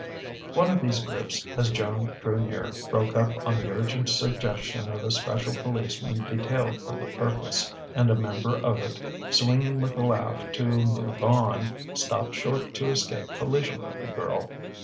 One of these groups, as Joan drew near, broke up on the urgent suggestion of a special policeman detailed for the purpose; and a member of it, swinging with a laugh to "move on," stopped short to escape collision with the girl.